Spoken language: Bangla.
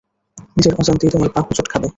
নিজের অজান্তেই তোমার পা হোঁচট খাবে।